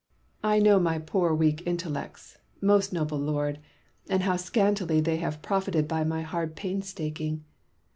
I know my poor weak intellects, most noble Lord, and how scantily they have profited by my hard painstaking.